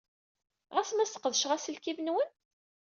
Ɣas ma sqedceɣ aselkim-nwen?